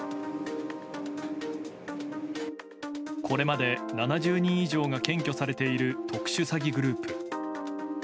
これまで７０人以上が検挙されている特殊詐欺グループ。